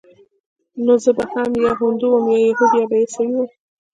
نو زه به هم يا هندو وم يا يهود او يا به عيسوى وم.